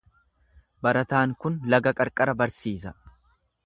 Barataan kun laga qarqara barsiisa.